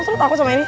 lu takut sama ini